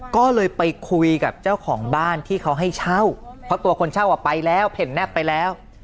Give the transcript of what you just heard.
ก็เลยไปคุยกับเจ้าของบ้านที่เขาให้เช่าเพราะตัวคนเช่าอ่ะไปแล้วเห็นแนบไปแล้ว